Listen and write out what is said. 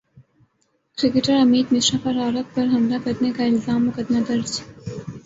cricketer Amit Mishra پر عورت پر حملہ کرنے کا الزام مقدمہ درج